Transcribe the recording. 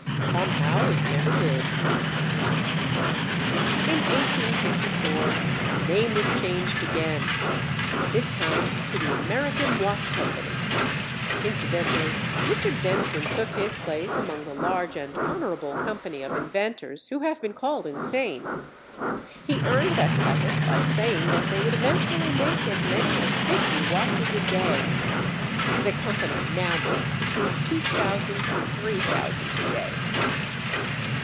Somehow, it never did." In 1854 the name was changed again, this time to the American Watch Company. Incidentally, Mr. Dennison took his place among the large and honorable company of inventors who have been called insane. He earned that title by saying that they would eventually make as many as fifty watches a day. The company now makes between two thousand and three thousand a day.